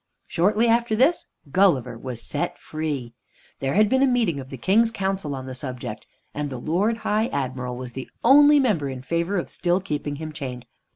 Shortly after this, Gulliver was set free. There had been a meeting of the King's Council on the subject, and the Lord High Admiral was the only member in favor of still keeping him chained.